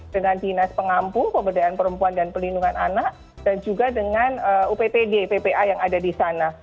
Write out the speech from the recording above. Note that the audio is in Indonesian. dengan dinas pengampung pemberdayaan perempuan dan pelindungan anak dan juga dengan uptd ppa yang ada di sana